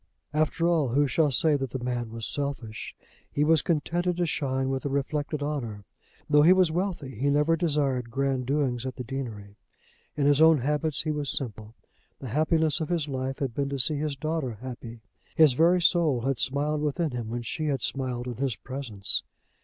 After all, who shall say that the man was selfish? He was contented to shine with a reflected honour. Though he was wealthy, he never desired grand doings at the deanery. In his own habits he was simple. The happiness of his life had been to see his daughter happy. His very soul had smiled within him when she had smiled in his presence.